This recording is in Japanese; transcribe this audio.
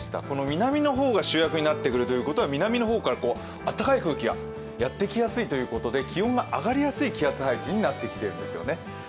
この南の方が主役になってくるということは南の方からあったかい空気がやってきやすいということで気温が上がりやすい気圧配置になってきているんですよね。